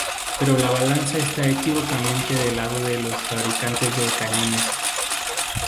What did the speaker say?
Pero la balanza está inequívocamente del lado de los fabricantes de cañones.